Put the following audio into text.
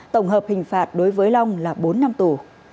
tổng hợp hình phạt đối với long là bốn năm tù